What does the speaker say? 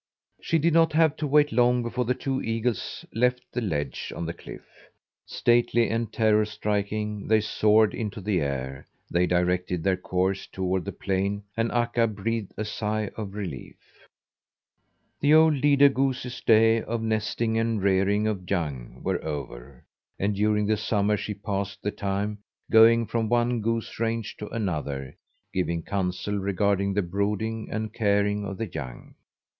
She did not have to wait long before the two eagles left the ledge on the cliff. Stately and terror striking they soared into the air. They directed their course toward the plain, and Akka breathed a sigh of relief. The old leader goose's days of nesting and rearing of young were over, and during the summer she passed the time going from one goose range to another, giving counsel regarding the brooding and care of the young.